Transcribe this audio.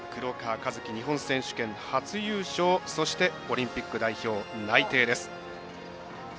和樹日本選手権初優勝そして、オリンピック代表内定。